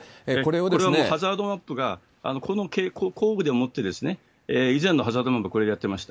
これはもうハザードマップがこの降雨でもって以前のハザードマップはこれでやってました。